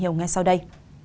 hãy cùng ngay sau đây